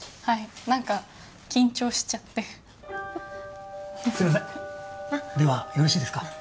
はいなんか緊張しちゃってすいませんではよろしいですか？